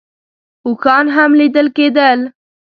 اوښان هم لیدل کېدل.